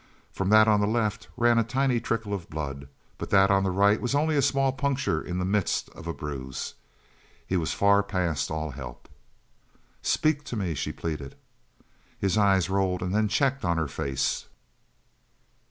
From that on the left ran a tiny trickle of blood, but that on the right was only a small puncture in the midst of a bruise. He was far past all help. "Speak to me!" she pleaded. His eyes rolled and then checked on her face.